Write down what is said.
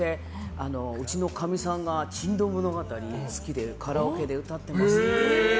うちのかみさんが「珍島物語」が好きでカラオケで歌ってますって。